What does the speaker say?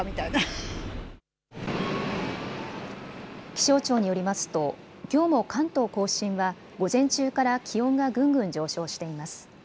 気象庁によりますときょうも関東甲信は午前中から気温がぐんぐん上昇しています。